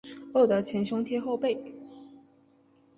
饿得前胸贴后背